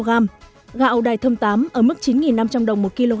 giá gạo đài thơm tám ở mức chín năm trăm linh đồng một kg